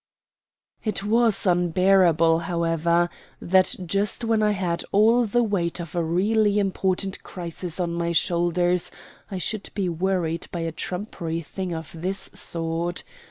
It was unbearable, however, that just when I had all the weight of a really important crisis on my shoulders I should be worried by a trumpery thing of this sort.